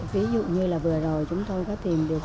ví dụ như là vừa rồi chúng tôi có tìm được